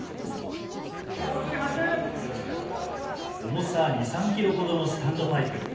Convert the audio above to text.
重さ２、３キロほどのスタンドパイプ。